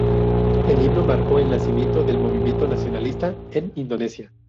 El himno marcó el nacimiento del movimiento nacionalista en Indonesia.